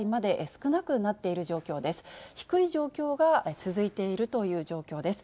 低い状況が続いているという状況です。